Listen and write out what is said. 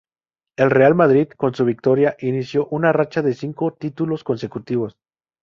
El Real Madrid, con su victoria, inició una racha de cinco títulos consecutivos.